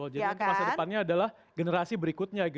jadi masa depannya adalah generasi berikutnya